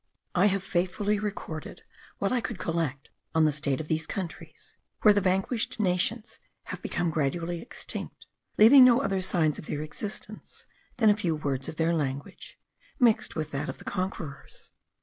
I have faithfully recorded what I could collect on the state of these countries, where the vanquished nations have become gradually extinct, leaving no other signs of their existence than a few words of their language, mixed with that of the conquerors.